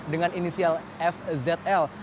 dengan inisial fzl